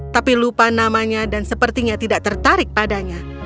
tapi lupa namanya dan sepertinya tidak tertarik padanya